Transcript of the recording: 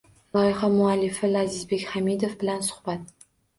Loyiha muallifi Lazizbek Hamidov bilan suhbat